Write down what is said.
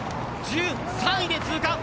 １３位で通過。